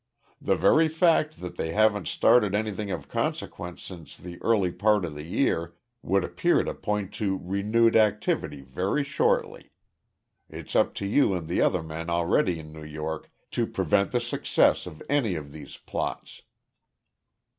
The very fact that they haven't started anything of consequence since the early part of the year would appear to point to renewed activity very shortly. It's up to you and the other men already in New York to prevent the success of any of these plots."